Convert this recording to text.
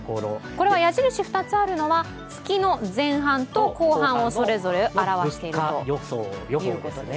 これは矢印２つあるのは月の前半と後半をそれぞれ表しているということですね。